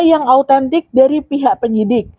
yang autentik dari pihak penyidik